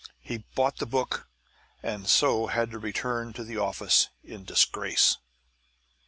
He bought the book, and so had to return to the office in disgrace.